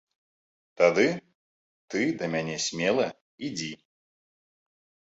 Тады ты да мяне смела ідзі.